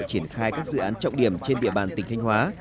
triển khai các dự án trọng điểm trên địa bàn tỉnh thanh hóa